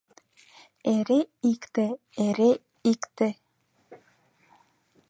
Эре икте, эре икте